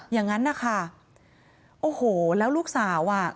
อย่างนั้นนะคะโอ้โหแล้วลูกสาวอ่ะ